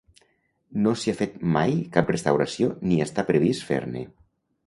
No s'hi ha fet mai cap restauració ni està previst fer-ne.